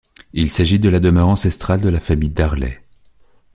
Il s'agit de la demeure ancestrale de la famille Darley.